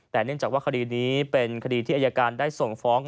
แต่เนื่องจากว่าคดีนี้เป็นคดีที่อายการได้ส่งฟ้อง